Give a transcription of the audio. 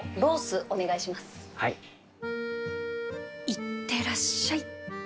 いってらっしゃい